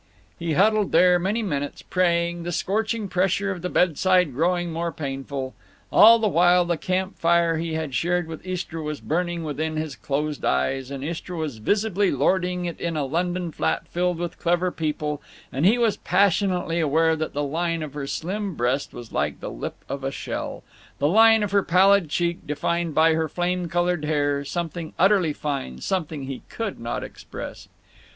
He huddled there many minutes, praying, the scorching pressure of the bedside growing more painful. All the while the camp fire he had shared with Istra was burning within his closed eyes, and Istra was visibly lording it in a London flat filled with clever people, and he was passionately aware that the line of her slim breast was like the lip of a shell; the line of her pallid cheek, defined by her flame colored hair, something utterly fine, something he could not express.